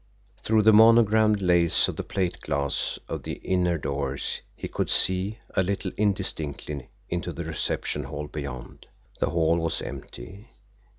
Through the monogrammed lace on the plate glass of the inner doors he could see, a little indistinctly, into the reception hall beyond. The hall was empty.